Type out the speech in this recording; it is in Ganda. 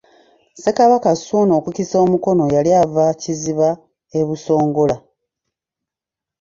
Ssekabaka Ssuuna okukisa omukono yali ava Kiziba e Busongola.